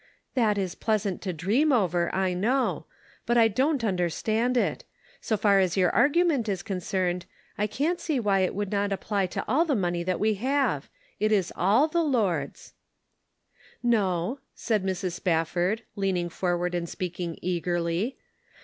" That is pleas ant to dream over, I know ; but I don't un derstand it. So far as your argument is con cerned, I can't see why it would not apply to all the money that we have ; it is all the Lord's." " No," said Mrs. Spafford, leaning forward and speaking eagerly.